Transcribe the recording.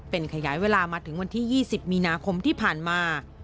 เป็นขยายเวลามาถึงวันที่๒๐มีนาคมที่ผ่านมา